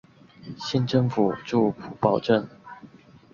县政府驻普保镇。